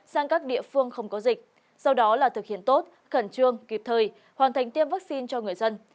sang các địa phương không có dịch sau đó là thực hiện tốt khẩn trương kịp thời hoàn thành tiêm vaccine cho người dân